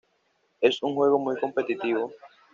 Es un juego muy competitivo.